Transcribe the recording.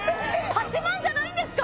８万じゃないんですか！？